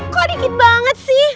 kok dikit banget sih